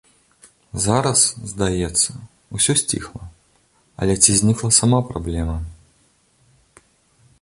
Зараз, здаецца, усё сціхла, але ці знікла сама праблема?